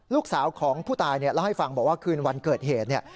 ลูกสาวของผู้ตายเล่าให้ฟังบอกว่าคืนวันเกิดเหตุเนี่ย